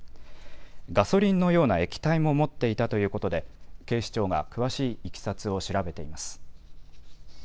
ガソリンのような液体も持っていたということで警視庁が詳しいいきさつを調べています。